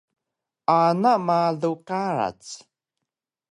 Ana malu karac